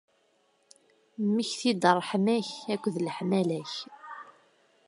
Mmekti-d d ṛṛeḥma-k akked leḥmala-k.